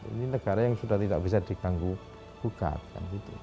ini negara yang sudah tidak bisa diganggu gugatkan